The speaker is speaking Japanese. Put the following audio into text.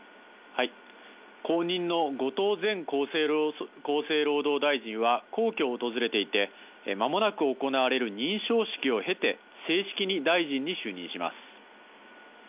後任の後藤前厚生労働大臣は皇居を訪れていて、まもなく行われる認証式を経て、正式に大臣に就任します。